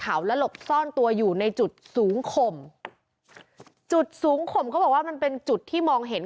เขาและหลบซ่อนตัวอยู่ในจุดสูงข่มจุดสูงข่มเขาบอกว่ามันเป็นจุดที่มองเห็น